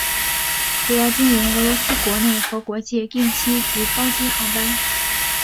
主要经营俄罗斯国内和国际定期及包机航班。